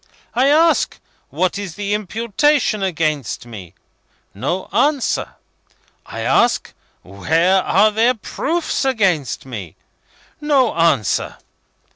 I ask, what is the imputation against me? No answer. I ask, where are their proofs against me? No answer.